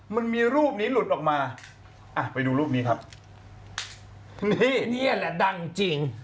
มันมีรูปนี้หลุดออกมาอ่ะไปดูรูปนี้ครับนี่นี่แหละดังจริง